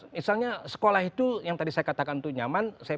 misalnya sekolah itu yang tadi saya katakan itu nyaman